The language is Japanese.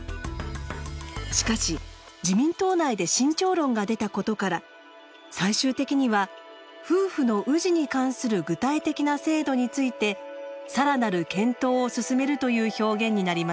しかし自民党内で慎重論が出たことから最終的には夫婦の氏に関する具体的な制度について「さらなる検討を進める」という表現になりました。